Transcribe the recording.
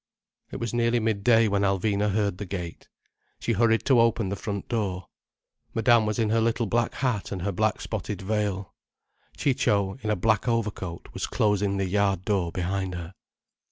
It was nearly mid day when Alvina heard the gate. She hurried to open the front door. Madame was in her little black hat and her black spotted veil, Ciccio in a black overcoat was closing the yard door behind her.